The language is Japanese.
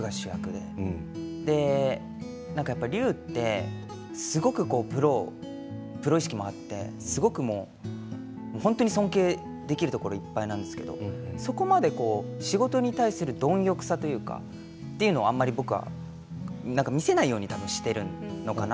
で何かやっぱり隆ってすごくこうプロ意識もあってすごくもう本当に尊敬できるところいっぱいなんですけどそこまでこう仕事に対する貪欲さというかっていうのをあんまり僕は何か見せないように多分してるのかな？